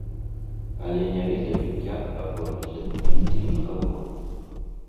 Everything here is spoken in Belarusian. Але не ведаю, як аформіць дакументы і на каго.